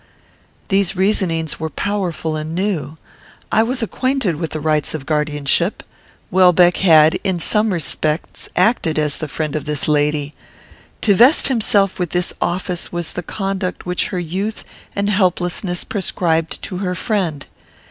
These reasonings were powerful and new. I was acquainted with the rights of guardianship. Welbeck had, in some respects, acted as the friend of this lady. To vest himself with this office was the conduct which her youth and helplessness prescribed to her friend.